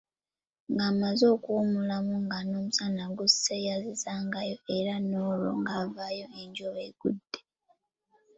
Ng’amaze okuwummulamu nga n’omusana gusse, yazizzangayo era ng’olwo avaayo ng’enjuba egudde.